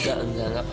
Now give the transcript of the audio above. enggak enggak enggak